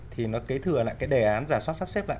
thì nó kế thừa lại cái đề án giả soát sắp xếp lại